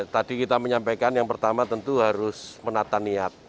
tadi kita menyampaikan yang pertama tentu harus menata niat